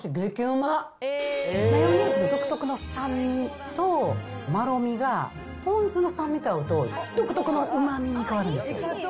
マヨネーズ独特の酸味とまろみが、ポン酢の酸味と合うと独特のうまみに変わるんですよ。